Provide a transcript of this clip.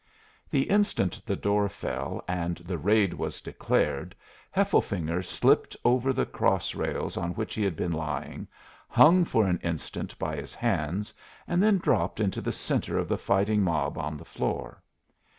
The instant the door fell and the raid was declared Hefflefinger slipped over the cross rails on which he had been lying, hung for an instant by his hands, and then dropped into the centre of the fighting mob on the floor.